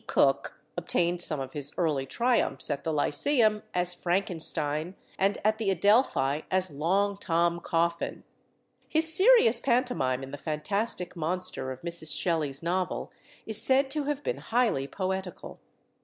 Cooke obtained some of his early triumphs at the Lyceum as Frankenstein, and at the Adelphi as Long Tom Coffin. His serious pantomime in the fantastic monster of Mrs. Shelley's novel is said to have been highly poetical.